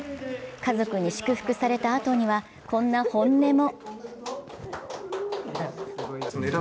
家族に祝福されたあとにはこんな本音も。